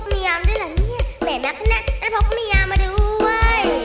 มียามด้วยเหรอเนี่ยแบบนั้นแหละแล้วพบมียามมาดูเว้ย